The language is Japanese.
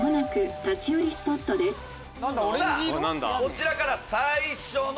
こちらから最初の。